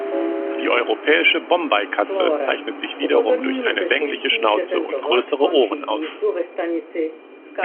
Die europäische Bombay-Katze zeichnet sich wiederum durch eine längliche Schnauze und größere Ohren aus.